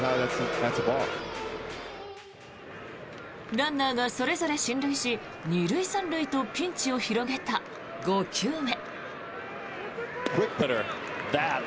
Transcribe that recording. ランナーがそれぞれ進塁し２塁３塁とピンチを広げた５球目。